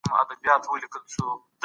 تاسو به د خپل کلي د پاکوالي خیال ساتئ.